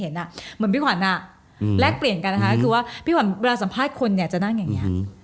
เหมือนพี่ขวัญแลกเปลี่ยนกันนะคะก็คือว่าพี่ขวัญเวลาสัมภาษณ์คนเนี่ยจะนั่งอย่างนี้